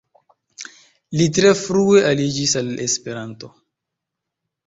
Li tre frue aliĝis al Esperanto.